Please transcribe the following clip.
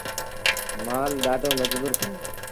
مآل ڏآڍو مجبور ڪيآندي۔